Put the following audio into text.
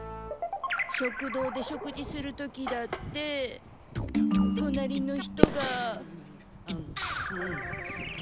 食堂で食事する時だってとなりの人が。